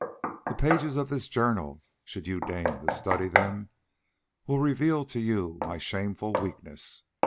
The pages of this journal, should you deign to study them, will reveal to you my shameful weakness.